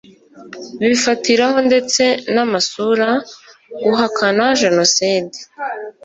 bifatiraho ndetse n amasura guhakana jenoside